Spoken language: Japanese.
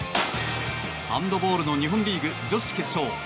ハンドボールの日本リーグ女子決勝。